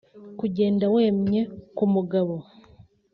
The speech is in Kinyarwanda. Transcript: Kugenda wemye ku mugabo